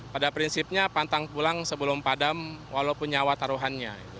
pada prinsipnya pantang pulang sebelum padam walaupun nyawa taruhannya